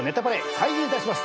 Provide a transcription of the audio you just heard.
開演いたします。